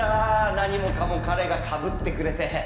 何もかも彼がかぶってくれて